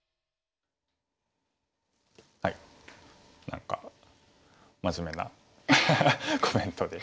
何か真面目なコメントで。